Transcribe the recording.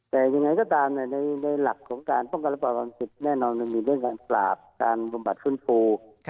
แต่ยังไงก็ตามในหลักของการป้องกันและปราบความผิดแน่นอนมันมีเรื่องการปราบการบำบัดฟื้นฟู